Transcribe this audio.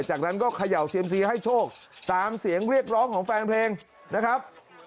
จากนั้นก็เขย่าเซียมซีให้โชคตามเสียงเรียกร้องของแฟนเพลงนะครับ